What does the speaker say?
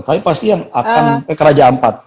tapi pasti yang akan eh ke raja ampat